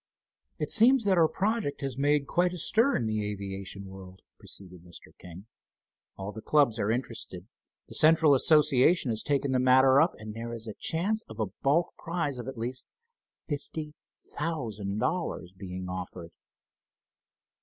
"It seems that our project has made quite a stir in the aviation world," proceeded Mr. King. "All the clubs are interested, the central association has taken the matter up, and there is a chance of a bulk prize of at least fifty thousand dollars being offered."